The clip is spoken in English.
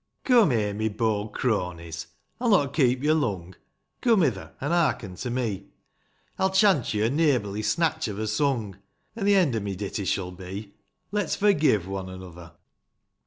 ^^^^^OME here, my bold cronies, I'll not keep yo Inner '""to) Come hither, an' hearken to me ; I'll chant yo a neighbourly snatch of a sung, An' th' end o' my ditty shall be, — Let's forgive one another